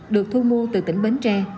được thu mua từ tỉnh bến tre